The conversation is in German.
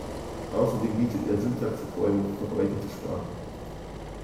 Außerdem bietet er Syntaxhervorhebung für verbreitete Sprachen.